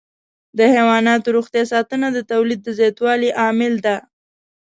د حيواناتو روغتیا ساتنه د تولید د زیاتوالي عامل ده.